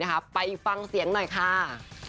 ไปฟังเสียงหน่อยค่ะ